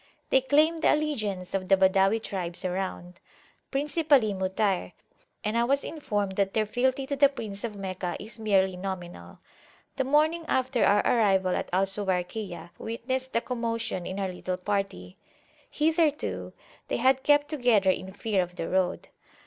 They claim the allegiance of the Badawi tribes around, principally Mutayr, and I was informed that their fealty to the Prince of Meccah is merely nominal. The morning after our arrival at Al Suwayrkiyah witnessed a commotion in our little party: hitherto they had kept together in fear of the road.